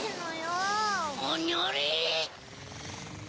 おにょれ！